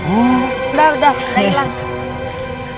udah udah udah hilang